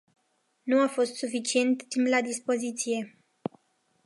Nu a fost suficient timp la dispoziție.